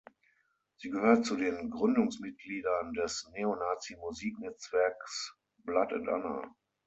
Sie gehört zu den Gründungsmitgliedern des Neonazi-Musiknetzwerks Blood and Honour.